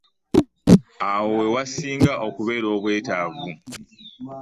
Awo we nsinga okubeera n'obwetaavu.